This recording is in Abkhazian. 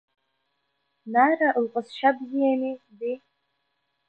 Нара лҟазшьа бзиами, ди?